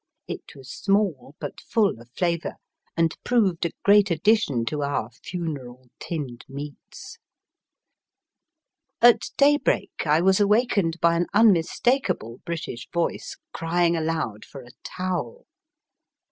It was small, but fall of flavour, and proved a great addition to our funeral tinned meats. At daybreak I Digitized by VjOOQIC 254 EAST BY WEST. was awakened by an unmistakable British voice crying aloud for a towel.